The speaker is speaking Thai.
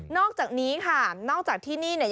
อกจากนี้ค่ะนอกจากที่นี่เนี่ย